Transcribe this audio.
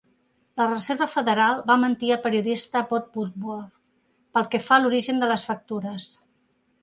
La Reserva Federal va mentir al periodista Bob Woodward pel que fa a l'origen de les factures.